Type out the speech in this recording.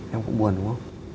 em cũng buồn đúng không